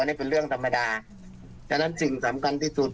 นี่เป็นเรื่องธรรมดาฉะนั้นสิ่งสำคัญที่สุด